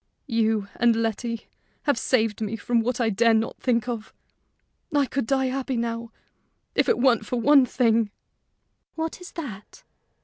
"You and Letty have saved me from what I dare not think of! I could die happy now if it weren't for one thing." "What is that?"